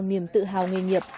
niềm tự hào nghề nghiệp